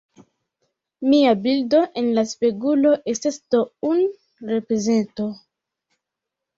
Mia bildo en la spegulo estas do un reprezento.